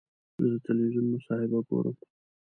زه د تلویزیون مصاحبه ګورم.